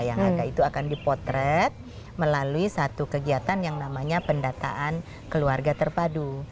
yang harga itu akan dipotret melalui satu kegiatan yang namanya pendataan keluarga terpadu